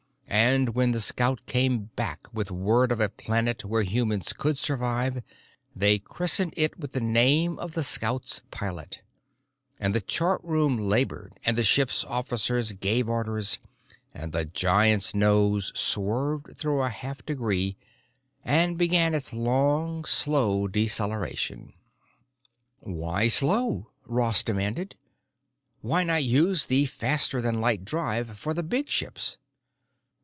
And when the scout came back with word of a planet where humans could survive, they christened it with the name of the scout's pilot, and the chartroom labored, and the ship's officers gave orders, and the giant's nose swerved through a half a degree and began its long, slow deceleration. "Why slow?" Ross demanded. "Why not use the faster than light drive for the big ships?"